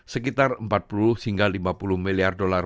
sekitar empat puluh hingga lima puluh miliar dolar